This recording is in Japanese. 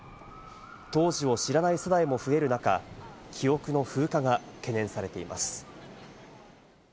当時を知らない世代も増える中、記憶の風化が懸念されています。